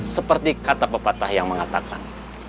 seperti kata pepatah yang mengatakan